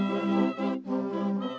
pertama suara dari biasusu